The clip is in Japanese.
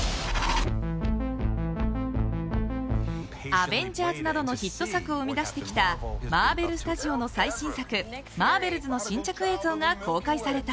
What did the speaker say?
「アベンジャーズ」などのヒット作を生み出してきたマーベル・スタジオの最新作「マーベルズ」の新着映像が公開された。